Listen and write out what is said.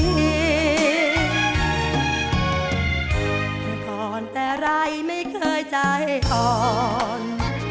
แต่ก่อนแต่ไรไม่เคยใจก่อน